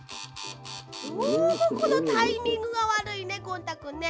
どうもこのタイミングがわるいねゴン太くんね。